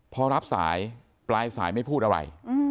พอรับสายปลายสายไม่พูดอะไร